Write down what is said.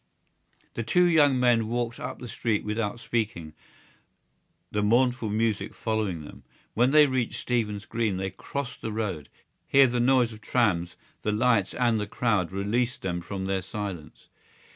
The two young men walked up the street without speaking, the mournful music following them. When they reached Stephen's Green they crossed the road. Here the noise of trams, the lights and the crowd released them from their silence.